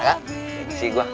nih kasih gue